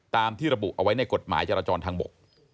ตามที่ระบุเอาไว้ในกฎหมายจราจรทางบก